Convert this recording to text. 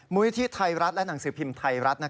มูลนิธิไทยรัฐและหนังสือพิมพ์ไทยรัฐ